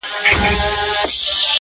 حاکم وویل عرضونه پر سلطان کړه.!